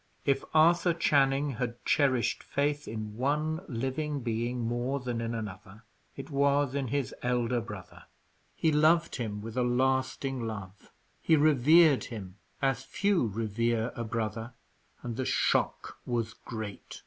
If Arthur Channing had cherished faith in one living being more than in another, it was in his elder brother. He loved him with a lasting love, he revered him as few revere a brother; and the shock was great.